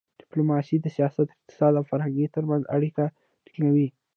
ډیپلوماسي د سیاست، اقتصاد او فرهنګ ترمنځ اړیکه ټینګوي.